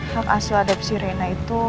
hak asal adepsi rena itu